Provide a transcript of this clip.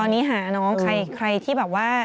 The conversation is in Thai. ตอนนี้หาน้องใครที่แบบว่า